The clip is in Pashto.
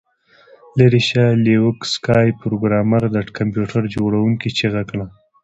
لیرې شه لیوک سکای پروګرامر د کمپیوټر جوړونکي چیغه کړه